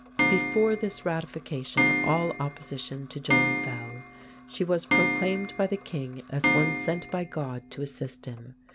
Carrier Belleuse] Before this ratification all opposition to Joan fell. She was proclaimed by the king as one sent by God to assist him.